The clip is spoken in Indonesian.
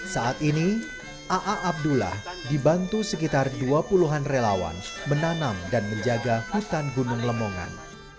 saat ini aa abdullah dibantu sekitar dua puluh an relawan menanam dan menjaga hutan gunung lemongan